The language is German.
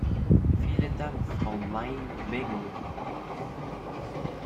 Vielen Dank Frau Maij-Weggen.